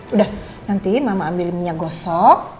udah nanti mama ambil minyak gosok